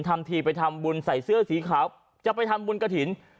ทำทีไปทำบุญใส่เสื้อสีขาวจะไปทำบุญกระถิ่น